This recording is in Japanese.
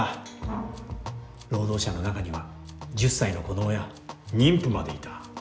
労働者の中には１０歳の子供や妊婦までいた。